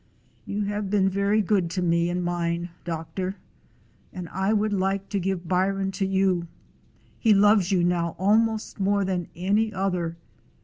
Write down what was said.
"You have been very good to me and mine, doctor, and I would like to give Byron to you. He loves you now almost more than any other.